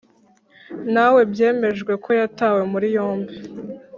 nawe byemejwe ko yatawe muri yombi